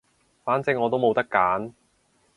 反正我都冇得揀